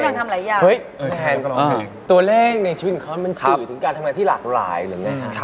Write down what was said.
ักษ์ที่ไปด้วยตัวเลขในชีวิตของเขามันสื่อถึงการทำวันที่หลากหลายหรือไม่ไงคะ